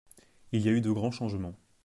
Il y a eu de grands changements.